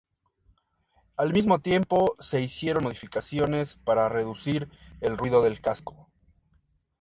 Al mismo tiempo, se hicieron modificaciones para reducir el ruido del casco.